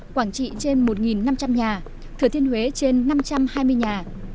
quảng trị trên một năm trăm linh nhà thừa thiên huế trên năm trăm hai mươi nhà